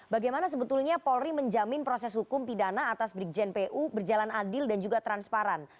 bagaimana sebetulnya polri menjamin proses hukum pidana atas brigjen pu berjalan adil dan juga transparan